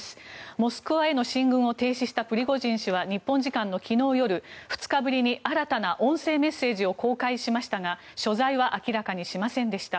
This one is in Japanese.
モスクワへの進軍を停止したプリゴジン氏は日本時間の昨日夜、２日ぶりに新たな音声メッセージを公開しましたが所在は明らかにしませんでした。